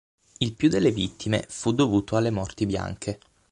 Il più delle vittime fu dovuto alle morti bianche.